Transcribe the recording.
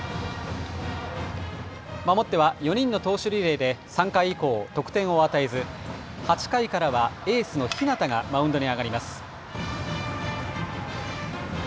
守っては４人の投手リレーで３回以降、得点を与えず８回からはエースの日當がマウンドに上がります。